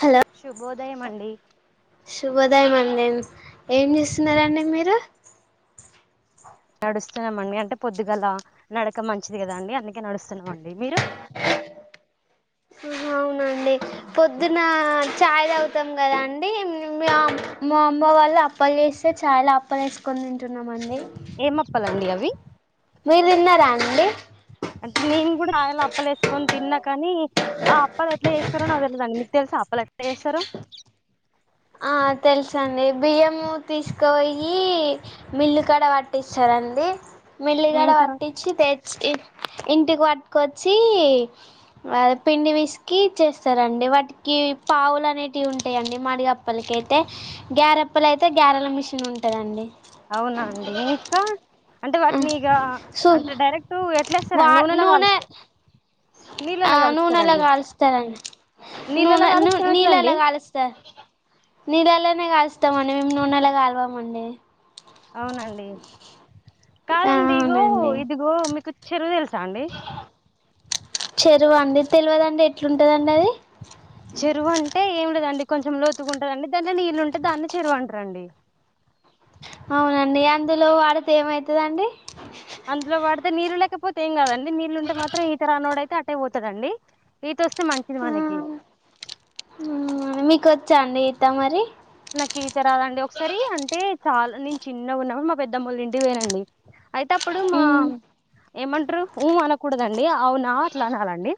Hello శుభోదయం అండి శుభోదయం అండి ఏం చేస్తున్నారండి మీరు నడుస్తున్నామండి అంటే పొద్దుగల నడక మంచిది కదా అండి అందుకే నడుస్తున్నామండి మీరు ఆహా అవునండి పొద్దున్న ఛాయ్ తాగుతాం కదా అండి మ్యామ్ మా అమ్మ వాళ్ళు అప్పలు చేస్తే ఛాయల అప్పలు వేసుకొని తింటున్నాము అండి ఏమ్ అప్పలండి అవి మీరు తిన్నారా అండి అంటే నేను కూడా ఛాయలా అప్పలు వేసుకొని తిన్నా కానీ ఆ అప్పాలు ఎట్లా చేస్తారో నాకు తెలువదండి మీకు తెలుసా అప్ప లాట్టు ఏస్తారు ఆ తెలుసు అండి బియ్యము తీసుకుపోయి మిల్లు కడ పట్టిస్తారన్ మిల్లిగడ పట్టిచి తెచ్చి ఇంటికి పట్టుకొచ్చి అదే పిండి విసికి చేస్తారండి వాటికి పావులు అనేటివి ఉంటాయి అండి మాడిగా అప్ పలు కైతే గ్యారె అప్పాలు అయితే గ్యారెల మిషన్ ఉంటదండి అవునా అండి ఇంకా అంటే వాటిని ఇగ సో అంటే డైరెక్ట్ ఎట్లా వా ఏస్తారండి నూనెలా నూనె కాలుస్తే ఆ నూనెలా కాలుస్తారండి నీళ్ళలో నూనె ను కాలుస్తే ఏమవుతుందండి నీళ్ళలా కాలుస్తారు నీళ్లనే కాలుస్తామండి మేము నూనెలా కాలవమండి అవునండి ఆ కాదండి ఇగో అవునండి ఇదిగో మీకు చెరువు తెలుసా అండి చెరువా అండి తెలవదండి ఎట్లుంటదండి అది చెరువు అంటే ఏమి లేదండి కొంచెం లోతుగుంటాదండి దాంట్లో నీళ్ళు ఉంటే దాన్ని చెరువు అంటారండి అవునండి అందులో వాడితే ఏమైతదండి అందులో వాడితే నీళ్లు లేకపోతే ఏం కాదా అండి నీళ్ళు ఉంటే మాత్రం ఈత రానోడై టే అటేపోతదండి ఇటోస్తే మంచిది మనకి ఉమ్ మీకొచ్చాఅండి ఈత మరి చాల నేను చిన్నగున్నప్పు మా పెద్దమ్మోళ్ళింటికి పోయినండి అయితే అప్పుడు మా మ్ ఏమంటరు ఊ అనకూడదండి అవునా అట్ల అనాలండి,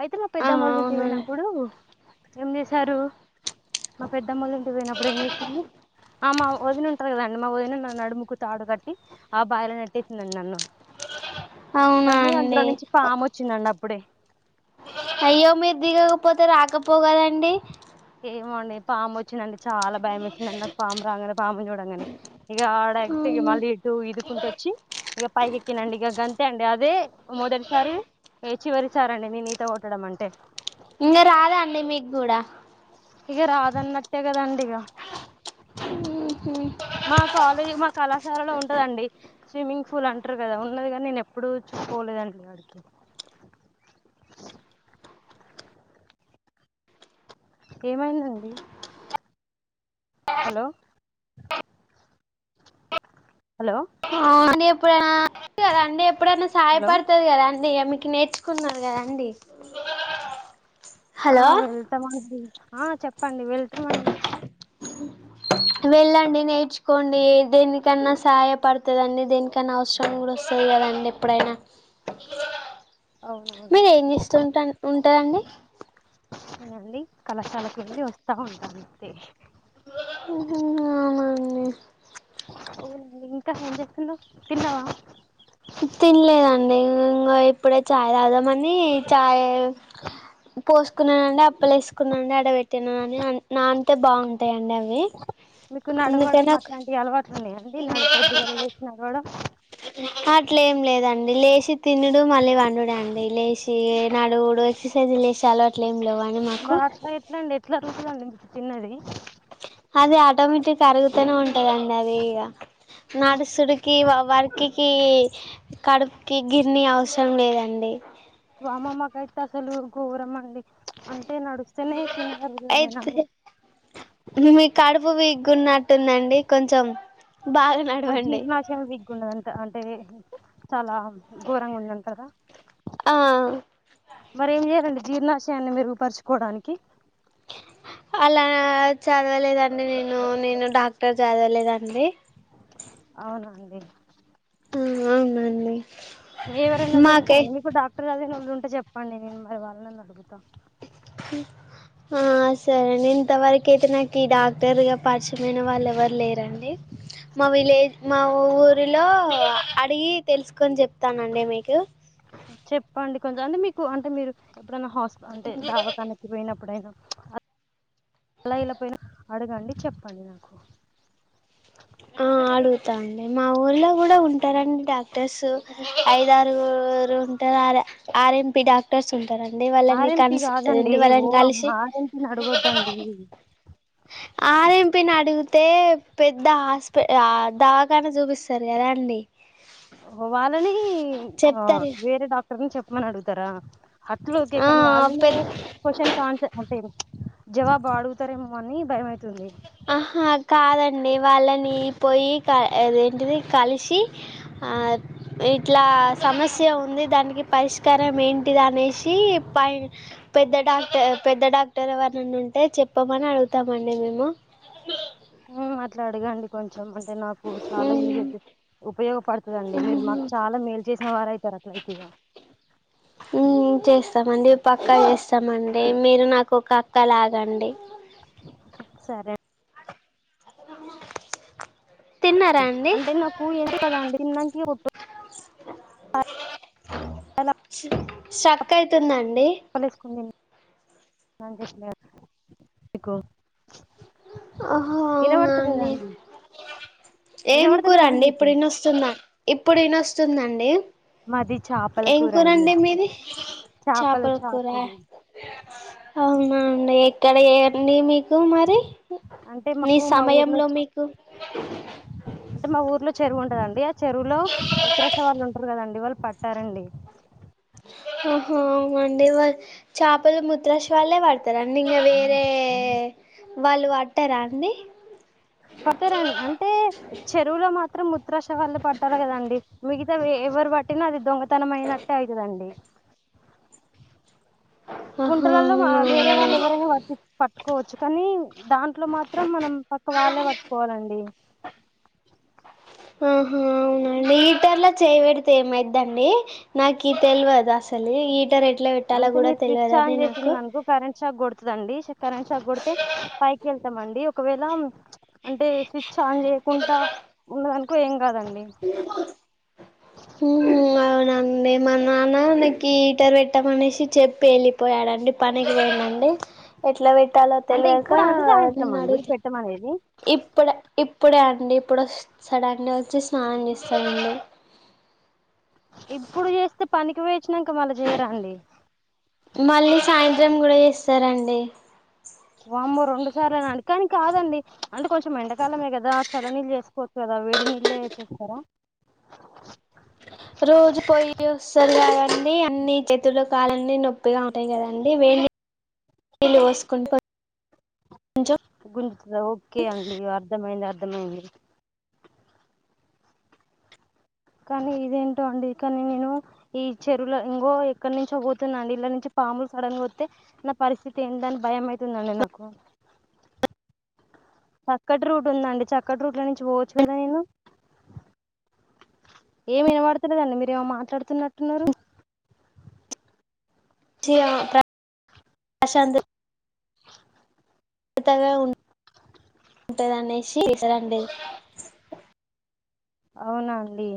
అయితే మా ఆ పెద్దమ్మోలింటికి అవునండి పోయినప్పుడు పుడు ఏం జేశారు మా పెద్దమ్మోలింటికి పోయినప్పుడు ఏం చెప్పిళ్ళు ఆ మా వదిన ఉంటది కదండి మా వదిన నన్ను నడుముకు తాడు గట్టి ఆ బాయిల నెట్టేసిందండి నన్ను అవునా కానీ అందులో అండి నుంచి ఒ పాము వచ్చిందండి అప్పుడే అయ్యో మీరు దిగకపోతే రాకపోవ్ గదండి ఏమో అండి పాము వచ్చిందండి చాలా భయమేసిందండి నాకు పాము రాగానే పామును జూడంగనే ఇగ ఆడ ఇగ మళ్ళీ ఇటు ఇదుకుంటచ్చి ఇగ పైకెక్కినండి ఇగ గంతే అండి అదే మొదటిసారి ఏ చివరిసారండి నేన్ ఈత గొట్టడం అంటే ఇంగ రాదా అండి మీగ్గూడా ఇగ రాదన్నట్టే కదండిగ మా కాలేజ్ మా కళాశాలలో ఉంటదండి స్విమ్మింగ్ ఫూల్ అంటరు గదా ఉన్నది గనీ నేను ఎప్పుడు చూ పోలేదండి ఆడికి ఏమైందండి హలో హలో ఆ ఎప్పుడన్న కదా అండి ఎప్పుడైనా హలో సహయపడుతది గదా అండి ఇగ మీకు నేర్చుకున్నను కదా అండి ఆ వెళ్తమండి ఆ చెప్ చెప్పండి వెళ్తమండి కొండి దేనికన్న సహాయపడతదండి దేనికన్నా అవసరం గుడ వస్తది గదండి ఎప్పుడైనా అవునవును మీరేం జేస్తుంట ఉంటరండి న అండి కళాశాలకు వెళ్లి వస్తా ఉంటాను అంతే ఉమ్ హు అవునా అండి అవునండి ఇంక ఏంజేస్తున్నావ్ తిన్నవా? తినలేదండి ఇంగొ ఇప్పుడే చాయ్ తాగుదామన్ చాయ పోసుకున్ననండి అప్పలేసుకున్నాండి అడ బెట్ తినన్ నాన్తె బాగుంటయన్ మీకు నడవడం ఒక అట్లాంటి అలవాట్లు ఉన్నయా అండి నడు పొద్దుగాల లేసి నడవడం అట్లెం లేదండి లేచి తినుడు మళ్ళీ పండుడే అండి లేచి నాడువుడు ఎక్సర్సైజ్లు చేసే అలవాట్లు ఏం లేవన్ బ్బ అట్ల ఎట్లండి ఎట్లా అరుగుతదండి మీకు తిన్నది అది ఆటోమేటిక్ అరుగుతూనే ఉంటదండి అది ఇగ నడుసుడికి వ వర్కికి కడుపుకి గిన్ని అవసరం లేదండి వామ్మో మాకైతే అసలు ఘోరమండి అన్ టె నడుస్తనే తిన్నదరుగుతదని అయితే నడువ మీ కడుపు వీగున్నట్టుందండి కొంచెం బాగా నడవండి గున్నదంత అంటే చాలా ఘోరంగ ఉందంట గదా ఆ మరేమ్ చేయాలండి జీర్ణాశయాన్ని మెరుగుపరుచుకోవడానికి అలా చదవలేదండి నేను, నేను డాక్టర్ జదవలేదండి అవునా అండి ఉమ్ అవునండి వే ఎవరన్న తెలుసా మాకే మీకు డాక్టర్ చదివినోళ్లుంటే చెప్పండి నేను మరి వాళ్ళనన్న అడుగుత ఆ సరే నెన్ ఇంత వరకైతే నాకీ డాక్టర్ పరిచమైన వాళ్ళు ఎవరు లేరండి మా విలేజ్ మా ఊరిలో అడిగి తెలుసుకొని చెప్తానండి మీకు చెప్పండి కొంచెం అంటే మీకు అంటే మీరు ఎప్పుడైనా హాస్పి అంటే దావాకానిక్కి పోయినప్పుడైనా అలా ఇలాపోయినా అడగండి చెప్పండి నాకు ఆ అడుగుతా అండి మా ఊర్లో కూడా ఉంటారండి డాక్టర్స్ ఐదారు గురు ఉంటారు ఆర్ ఎం పి డాక్టర్స్ ఉంట [inaudible] ఏంటి ఆర్ఎంపీ కాదండి ఓ వాళ్ళని అమ్మ కలిసి ఆర్ఎంపీని అడగొద్దండి ఆర్ ఎం పీ ని అడిగితే పెద్ద హాస్పిటల్ దవాఖాని చూపిస్తారు కదా అండి వాళ్ళని ఆ చెప్తారు వేరే డాక్టర్ని చెప్పమని అడుగుతారా అట్లు ఓకే ఆ కానీ వాళ్లు పెద్ద క్వశ్చన్ కి ఆన్సర్ ఓకే జవాబు అడుగుతారేమో అని భయమయితుంది ఆహా కాదండి వాళ్ళని పోయి క అదేంటది కలిసి ఇట్లా సమస్య ఉంది దానికి పరిష్కారం ఏంటిది అనేసి ఆయన పెద్ద డాక్టర్ పెద్ద డాక్టర్ ఎవన్నుంటే చెప్పమని అడుగుతామండి మేము మ్మ్ అట్లా ఆడగండి కొంచెం అంటే నాకు చాలా యూజ్ అయి ఉపయోగపడుతుందండి మీరు మాకు చాలా మేలు చేసిన వారు అవుతారు అట్లయితేగా మ్మ్ చేస్ తం మండి పక్కా చేస్తామండి మీరు నాకు ఒక అక్క లాగండి సరే తిన్నారా అండి అంటే నాకు ఏంటి కదా అండి తిన్నాకి ఒట్ అ హాలో సక్ అయితుందండి పాలెసుకొని తిను [inaudible] ఓహో అవునా అండి ఏం వినబడతలేదా అండి కూరండి మీకు ఇప్పుడయినొస్తుందా ఇప్పుడయినొస్తుందా మాది చేపల ఏం కూర అండి కూరండి మీది చేపలు చాపల కూర చేపలు అవునాండి ఎక్కడ ఏవండి మీ కు మరి అంటే ఈ మాకు మా ఊర్లో సమయంలో మీకు అంటే మా ఊర్లో చెరువు ఉంటదండి ఆ చెరువులో ఉత్తరసవాళ్ళు ఉంటారు కదండి వాళ్ళు పడ్డారండి హ అవునా అండి వ చాపలు ముూత్ర్రాశ వాల్లె పడుత తారండి ఇంకా వేరే వాళ్ళు పట్టారా అండి పతారండి అంటే చెరువులో మాత్రం ముత్త్రాష వల్ళ పడతారు కదండి మీ అ ఎవరు బట్టిన అది దొంగతనం అయినట్టే అయితదండి ఆహా కుంటలల్లో వేరే అవునా వాళ్లు ఎవరైనా పర్టి ప ట్కోవచ్చు కాని దాంట్లో మాత్రం మనం పక్క వాళ్ళే పట్టుకోవాలండి ఆహా అవునండి ఈటర్ లో చేయబెడితే ఏమైద్దండి నాకు తెల్వదు అసలు ఈటరే ఎ అంటే మీ స్విచ్ ఆన్ చేసింది అనుకో కరెంట్ షాక్ కొడుతు అండి కరెంట్ షాక్ కొడితే పైకి వెళ్తామండి ఒకవేళ అంటే స్విచ్ ఆన్ చేయకుండా ఉన్నదనుకో ఏం కాదండి మ్మ్ అవునండి మా నాన్నకి ఈటర్ పెట్టమనేసి చెప్పి వెళ్ళిపోయాడండి పనికి వ ండి ఎట్లా పెట్టాలో అంటే తెలవక ఇప్పుడు అండి సాయంత్రం నిన్ను అండి అడుగుతా పెట్టమనేది ఇప్పుడ ఇప్పుడే అండి ఇప్పుడు సడన్గా వచ్చి స్నానం చేస్తామండి ఇప్పుడు చేస్తే పనికి పోయొచ్చినాక మళ్ళ చేయరాండి మళ్ళీ సాయంత్రం కూడా చేస్తారండి వామ్మో రెండుసార్లనా అండి. ! కాని కాదండి, అంటే కొంచెం ఎండకాలమే గదా చలనీళ్ళు జేసుకోచ్చు గదా. వేడి నీళ్ళె చేస్తారా. ! రోజు పోయి వస్తది అవన్ని, అన్ని చెతులు, కాళ్ళన్ని నొప్పిగా ఉంటాయి గదండి వేన్ని. ళ్ళు [unintelligible] గుంజుతదా. ! ఓకే అండి అర్థమైంది, అర్థమైంది. కానీ ఇదేంటో అండి కానీ నేను, ఈ చెరువుల ఇంగో ఎక్కనుంచో బోతున్నా అండి, ఇల్ల నుంచి. పాములు సడన్గా ఒత్తే, నా పరిస్థితి ఏందని భయం అయితుందండి నాకు. ! చక్కట్రూట్ ఉందండి, చక్కట్రూట్ల నుంచి బొవచ్చు గదా నేను.? ! ఏమి ఇనబడ్తలేదండి. ! మీరేమో మాట్లాడుతున్నట్టున్నారు.? [unintelligible] [unintelligible] అవునా అండి.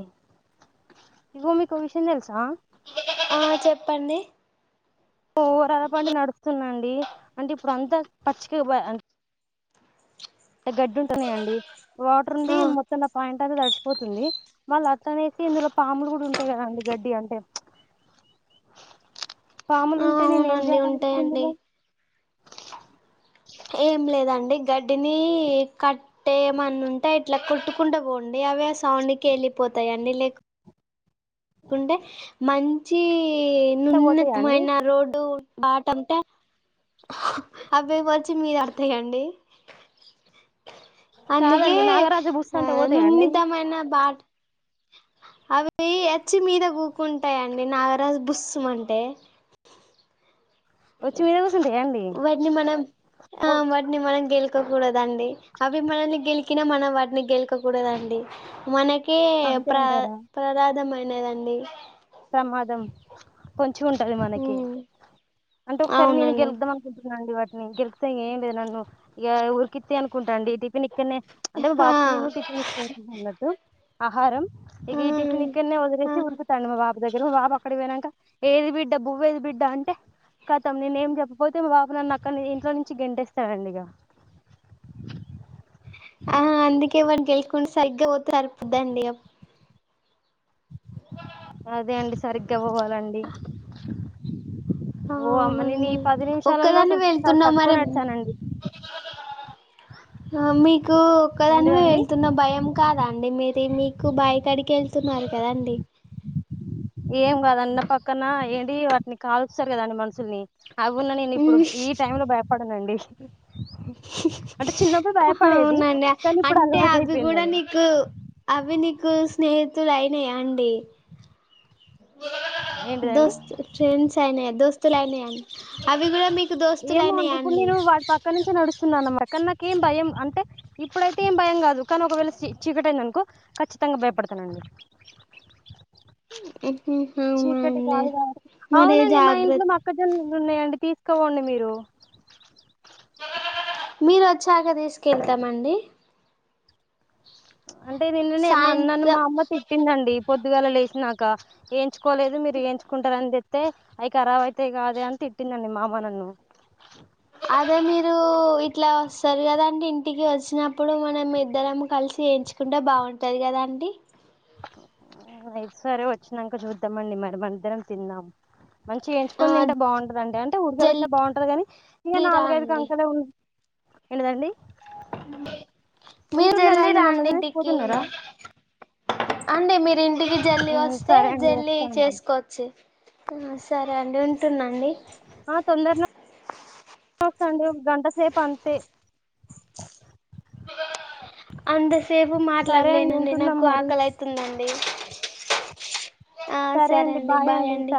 ఇదిగొ మీకొ విషయం దెల్సా.? ! ఆ చెప్పండి. ఓరాలపొండి నడుస్తున్నా అండి, అంటే ఇప్పుడు అంతా పచ్చికె బా అన్. గడ్డి ఉంటున్నాయండి. వాటర్ ఉండి ఆ మొత్తం నా పాయింట్. సరి దడ్సిపోతుంది వాళ్ళ అట్లానేసి ఇందులో పాములు గూడాంటాయి గదాండి గడ్డి అంటే ప్చ్. ! ఆ నేను ఏం అవునండి చేయాలండి ఇప్పుడు ఉంటాయండి. ఇందులో ఏం లేదండి గడ్డినీ కట్టే ఏమన్నుంటే ఇట్లా కొట్టుకుంటాబోం. డి అవే సౌండుకెళ్ళిపోతయండి లేక్. కుంటే మంచి అంటే పోతాయా అండి నూన్నత్మైన రోడ్డు. బాటంతా, అవే వచ్చి మీదా అడ్తయండి. అందుకే, కాదండి నాగరాజు బుస్త ఆ అంటే పోతాయా అండి అయి నున్నితమైన బాట్. అవి అచ్చి మీద గూకుంటాయండి, నాగరాజు బుస్సుమంటే. వచ్చి మీద కూర్చుంటాయా అండి వాట్ని మనం ఆ ఓ వాట్ని మనం గెల్. కోకూడదండి అవి మనల్ని గెలికిన మనం వాటిని గెల్కకూడదండి మన. కే అంతే ప్ర అంటారా ప్రదాదమైనదండి. ప్రమాదం కొం. చ్చి ఉంటది మనకి, ఉమ్ అంటే ఒక్సారి నేను అవునండి గెలుగ్దాం అనుకుంటున్నా అండి వాట్. నే గెలుక్తే ఏం లేదు నన్ను ఇగా ఊరికిత్తయనుకుంటాండి టిఫిని. తున్నే, అంటే మా ఆ బాబుకి నేను టిఫిన్ దిస్కబొతునన్నట్టు ఆహారం. ఇక ఆ ఈ టిఫినిక్కనే వదిలేసి ఆహా ఉరుకుతాండి మాబా. దగ్గర మాబాబు అక్కడికి పోయినాంక, ఏది బిడ్డ? బువ్వేది బిడ్డ? అంటే. కతం నేనేం జెప్పపోతే, మా బాబు నన్ను అక్కని ఇంట్లో నుంచి గెంటేస్తాడండిగా. ! ఆహా అందుకే [unintelligible] సరిపోద్దండిగా. అదే అండి. సరిగ్గా బొవాలండి. ఓ అమ్మ నేనీ అవునండి పది నిమిషాలల్లో ఒక్కదాన్ని అసలు, చాలా వెళ్తున్నా తక్కువ మరి నడిచానండి. ఆ మీకు ఒక్కదానివె ఏంటిదండి ఏళ్తున్న భయం కాదా అండి మీరు.? తే మీకు బాయి కడికెళ్తున్నారు కదాండి. ! ఏం గాదన్న పక్కన ఏంటి, వాట్ని కాల్స్తారు గదాండి మనుసుల్ని. ! అవున్న నేనిప్పుడు, ఈ టైమ్ లో భయపడనండి. స అంటే చిన్నప్పుడు ఆహా భయపడేది అవునాండి. కానీ ! ఇప్పుడు అంటే అలవాటు అవి గూడా అయిపోయిందండి నీకు, అవి నీ. కు స్నేహితులైనాయా అండి.? ! ఏంటిదండి దొస్తు ట్రేడ్సైనయా, దోస్తులైన అన్ అవి గూడా మీ. ఏమో అండి ఇప్పుడు నేను వాడి పక్క నుంచే నడుస్తున్నా అన్నమా. కానీ నాకెం భయం అంటే, ఇప్పుడైతే ఏం భయం గాదు కానీ ఒకవేళ సి చీకటైందనుకో ఖచ్చితంగా భయపడు. తనండి. ఊహ్హూ. చీకటి కాదు కాట్టి మరి అవునండి మా ఇంట్లో జాగ్రత్త మక్కజొన్నలున్నయండి తీసుకోవండి మీరు మీరు వచ్చాక తీసుకెళ్తామండి అంటే నింన్ననే మాన్న మా సాయంత్రం అమ్మ తిట్టిందండి పొద్దుగాల లేచినాక ఎయించుకోలేదు మీరు ఏయించుకుంటార అని చెప్తే అయికి అరావయితే కాదే అన్ తిట్టి తిట్టిందండి మమ్మ నన్ను [inaudible] అదే మీరు ఇట్లా వస్తరు కదాంటే ఇంటికి వచ్చినప్పుడు మనం ఇద్దరము కల్ చేయించకుండా బాగుంటది కదా అండి ఉమ్ నెక్స్ట్ సరి వచ్చినాక చూద్దామండి మరిమందరం తిందాం మంచి ఆ ఏయించుకని తింటే బాగుంటదండి అంటే ఉడకబట్టి జల్దీ బాగుంటది గనీ ఇక రా నాలుగైఐదు అండి కంకలే ఉడ్ ఎంతిదండీ మీరు ఉంటున్నారా వెళ్లి అండి నన్ను రాండింటికి వదిలేసిపోతున్నారా అండి మీరింటికి జల్లి హ్మ్ వస్తే సరే అండి జల్లి వస్తా అండి చేసుకోవచ్చు ఆ సరే అండి ఉంటున్నాండి ఆ తొందరలో స్తండి గంటసేపు అంతే అంతసేపు సరే అండి మాట్లాడలేనండి ఉంటున్నాం నాకు మరి ఆకలి అవుతుందండి ఆ సరే అండి బాయ్ అండి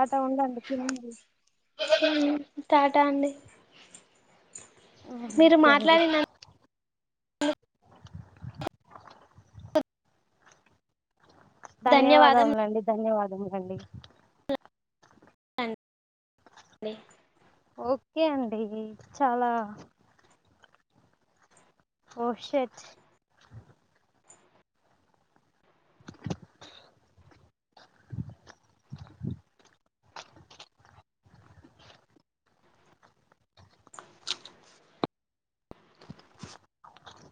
ఉమ్ టాటా అండి హ్మ్ మీరు ఓకే అండి మాట్లడిన ధన్యవాదం ధన్యవాదములండి ధన్యవాదములండి అన్ డి ఓకే అండి చాలా ఓషట్